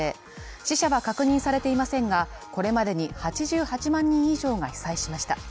死者は確認されていませんが、これまでに８８万人以上が被災しました。